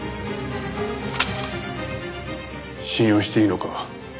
信用していいのか？